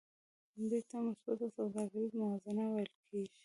دې ته مثبته سوداګریزه موازنه ویل کېږي